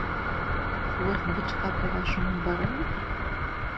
Хвост бычка, па-вашаму, барометр?